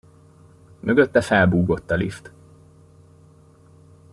Mögötte felbúgott a lift.